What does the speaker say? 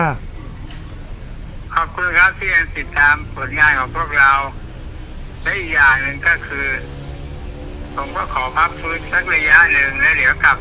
ครับผมก็ขอมาบทดสักระยะหนึ่งแล้วเดี๋ยวกลับไปถ้าเจอผลงาน